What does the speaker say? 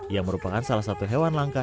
ia merupakan salah satu hewan langka